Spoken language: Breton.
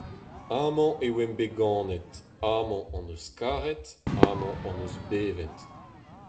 Amañ e oamp bet ganet, amañ hon eus karet, amañ hon eus bevet.